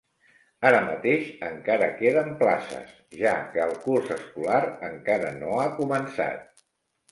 Ara mateix encara queden places, ja que el curs escolar encara no ha començat.